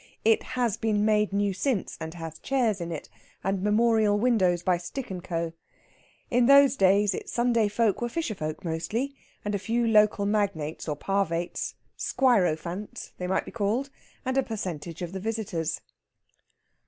It has been made new since, and has chairs in it, and memorial windows by Stick and Co. In those days its Sunday folk were fisherfolk mostly, and a few local magnates or parvates squirophants, they might be called and a percentage of the visitors.